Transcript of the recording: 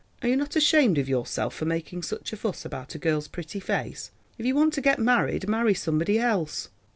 Are you not ashamed of yourself for making such a fuss about a girl's pretty face? If you want to get married, marry somebody else."